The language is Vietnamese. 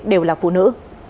đều là phụ nữ